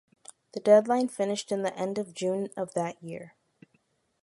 The deadline finished in the end of June of that year.